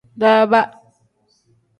Daaba.